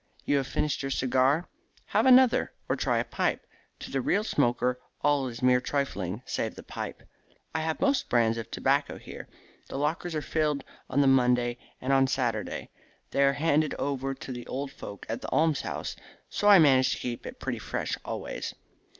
You have finished your cigar? Have another, or try a pipe. To the real smoker all is mere trifling save the pipe. I have most brands of tobacco here. The lockers are filled on the Monday, and on Saturday they are handed over to the old folk at the alms houses, so I manage to keep it pretty fresh always.